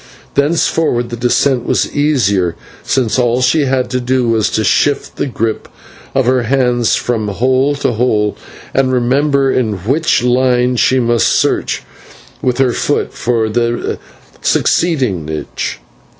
Thenceforward the descent was easier, since all she had to do was to shift the grip of her hands from hole to hole and remember in which line she must search with her foot for the succeeding niche.